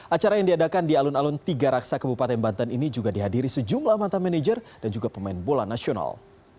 acara yang diadakan di alun alun tiga raksa kebupaten banten ini juga dihadiri sejumlah mantan manajer dan juga pemain bola nasional